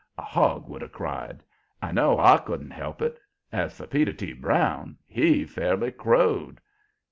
A hog would have cried; I know I couldn't help it. As for Peter T. Brown, he fairly crowed.